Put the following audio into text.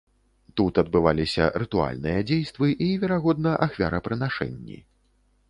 Тут адбываліся рытуальныя дзействы і, верагодна, ахвярапрынашэнні.